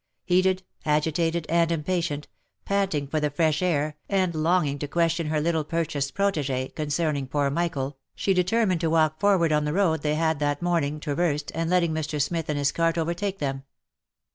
Heated, agitated, and impatient — panting for the fresh air, and longing to question her little purchased protegee, concerning poor Michael, she determined to walk forward on the road they had that morning traversed, and letting Mr. Smith and his cart overtake them.